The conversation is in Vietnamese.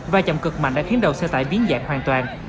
vài chậm cực mạnh đã khiến đầu xe tải biến dạng hoàn toàn